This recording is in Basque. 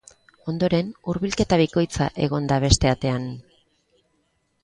Ondoren, hurbilketa bikoitza egon da beste atean.